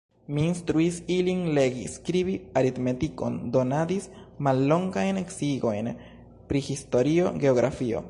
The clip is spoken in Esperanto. Mi instruis ilin legi, skribi, aritmetikon, donadis mallongajn sciigojn pri historio, geografio.